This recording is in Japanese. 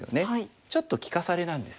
ちょっと利かされなんです。